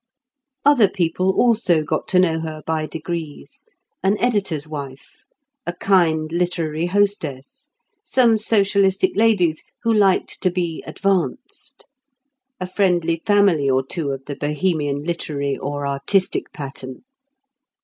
Other people also got to know her by degrees; an editor's wife; a kind literary hostess; some socialistic ladies who liked to be "advanced"; a friendly family or two of the Bohemian literary or artistic pattern.